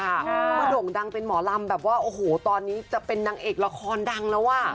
โด่งดังเป็นหมอลำแบบว่าโอ้โหตอนนี้จะเป็นนางเอกละครดังแล้วอ่ะ